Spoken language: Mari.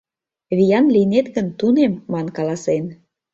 «Виян лийнет гын, тунем» ман каласен.